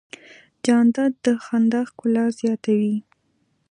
جانداد د خندا ښکلا زیاتوي.